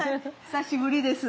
久しぶりです。